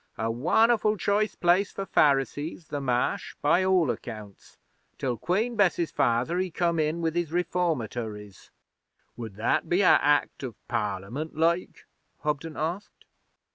A won'erful choice place for Pharisees, the Marsh, by all accounts, till Queen Bess's father he come in with his Reformatories.' 'Would that be a Act of Parliament like?' Hobden asked.